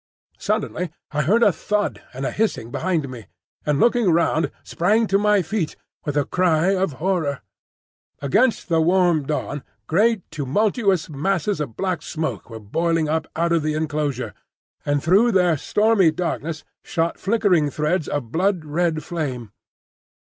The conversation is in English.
Suddenly I heard a thud and a hissing behind me, and, looking round, sprang to my feet with a cry of horror. Against the warm dawn great tumultuous masses of black smoke were boiling up out of the enclosure, and through their stormy darkness shot flickering threads of blood red flame.